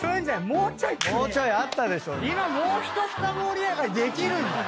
今もうひとふた盛り上がりできるんだよ。